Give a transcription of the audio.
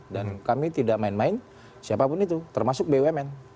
dan kami tidak main main siapapun itu termasuk bumn